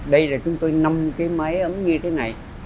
đây là chúng tôi năm cái máy ấm như thế này